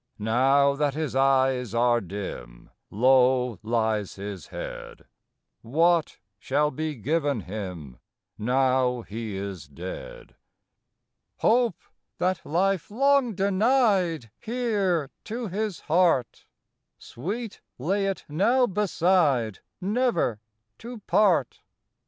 Now that his eyes are dim, Low lies his head? What shall be given him, Now he is dead? Hope, that life long denied Here to his heart, Sweet, lay it now beside, Never to part.